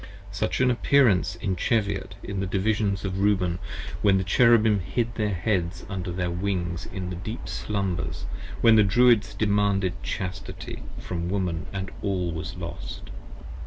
Such the appearance in Cheviot, in the Divisions of Reuben, When the Cherubim hid their heads under their wings in deep slumbers, 25 When the Druids demanded Chastity from Woman & all was lost.